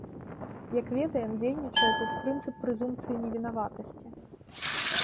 Як ведаем, дзейнічае тут прынцып прэзумпцыі невінаватасці.